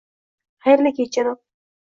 Xayrli kech, janob!